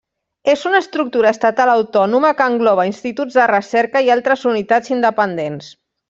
És una estructura estatal autònoma que engloba instituts de recerca i altres unitats independents.